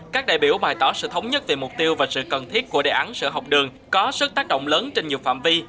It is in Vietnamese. các đại biểu bày tỏ sự thống nhất về mục tiêu và sự cần thiết của đề án sữa học đường có sức tác động lớn trên nhiều phạm vi